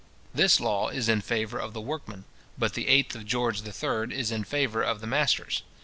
This law is in favour of the workmen; but the 8th of George III. is in favour of the masters.